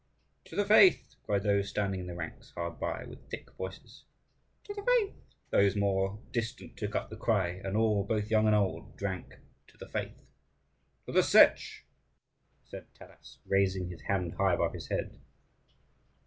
"To the faith!" cried those standing in the ranks hard by, with thick voices. "To the faith!" those more distant took up the cry; and all, both young and old, drank to the faith. "To the Setch!" said Taras, raising his hand high above his head.